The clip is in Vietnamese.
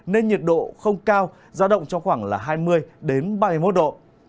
nên nhiệt độ không cao ra động cho khoảng hai mươi ba mươi một độ